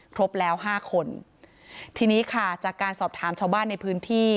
ครบแล้วห้าคนทีนี้ค่ะจากการสอบถามชาวบ้านในพื้นที่